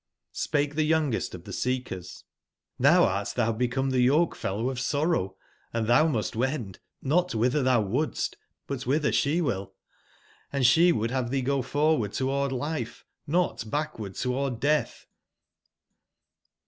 pHKB tbe youngest of tbe seekers: '']Vow art tbou become tbeyoke/fellow of Sorrow, & tbou must wend, not wbitber tbou wouldst, butwbitber sbe will: & sbe would bave tbee go for ward toward life, not backward toward deatb."